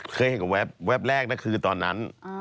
เคยกับแว๊บแว๊บแรกนั้นคือตอนนั้น